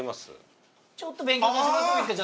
ちょっと勉強させてもらってもいいですか？